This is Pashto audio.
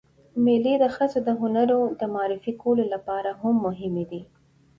مېلې د ښځو د هنرونو د معرفي کولو له پاره هم مهمې دي.